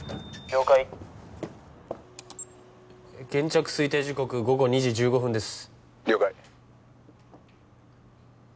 「了解」現着推定時刻午後２時１５分です。